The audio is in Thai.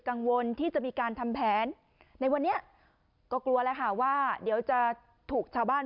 กังวลที่จะมีการทำแผนในวันนี้ก็กลัวแล้วค่ะว่าเดี๋ยวจะถูกชาวบ้าน